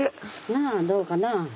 なあどうかな。